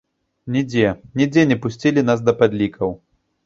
Нідзе, нідзе не пусцілі нас да падлікаў.